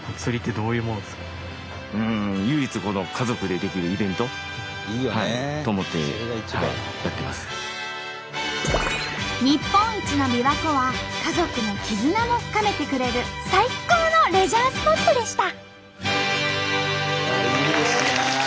唯一日本一のびわ湖は家族の絆も深めてくれる最高のレジャースポットでした。